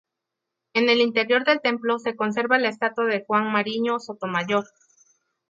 En el interior del templo se conserva la estatua de Juan Mariño Sotomayor.